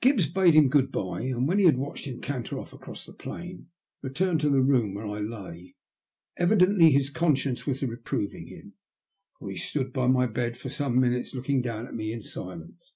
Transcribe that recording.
Gibbs bade him good bye, and when he had watched him canter off across the plain returned to the room where I lay. Evidently his conscience was reproving him, for he stood by my bed for some minutes looking down at me in silence.